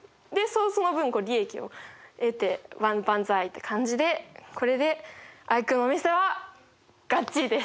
その分利益を得て万歳って感じでこれでアイクのお店はガッチリです！